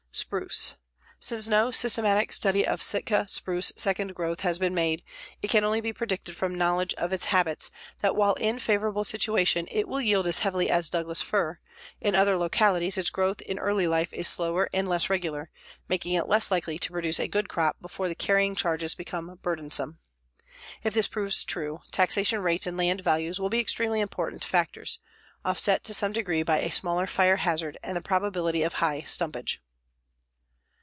SPRUCE Since no systematic study of Sitka spruce second growth has been made, it can only be predicted from knowledge of its habits that while in favorable situation it will yield as heavily as Douglas fir, in other localities its growth in early life is slower and less regular, making it less likely to produce a good crop before the carrying charges become burdensome. If this proves true, taxation rates and land values will be extremely important factors, offset to some degree by a smaller fire hazard and the probability of high stumpage.